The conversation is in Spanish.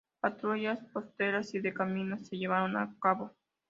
Patrullas costeras y de caminos se llevaron a cabo.